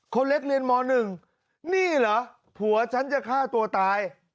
คนเล็กเรียนม๑นี่เหรอผัวฉันจะฆ่าตัวตาย